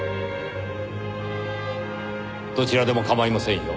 どちらでも構いませんよ。